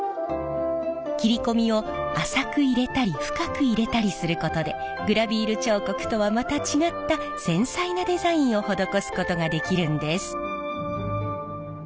切り込みを浅く入れたり深く入れたりすることでグラヴィール彫刻とはまた違った繊細なデザインを施すことができるんです。